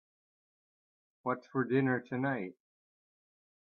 What's for dinner tonight?